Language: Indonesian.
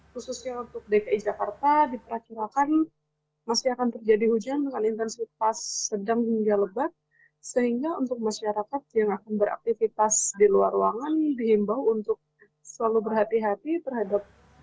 hujan di wilayah jabodetabek khususnya di wilayah selatan hujan dengan intensitas sedang hingga lebat diprediksi masih akan terjadi